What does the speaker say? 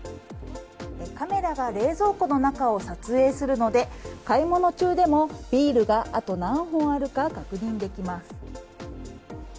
カメラが冷蔵庫の中を撮影するので買い物中でもビールがあと何本あるか確認できます。